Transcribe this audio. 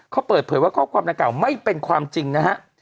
เขาเปิดเผยว่าข้อความดังกล่าไม่เป็นความจริงนะฮะ